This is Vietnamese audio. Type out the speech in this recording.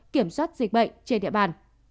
kiểm soát dịch bệnh trên địa bàn